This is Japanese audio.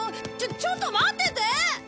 ちょちょっと待ってて！